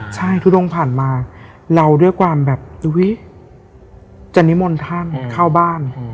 เจ้านิมนต์ท่านเข้าบ้าน